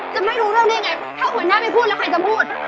ก็ไม่รู้เรื่องได้ไงถ้าผลเนี้ยไม่พูดแล้วใครจะพูด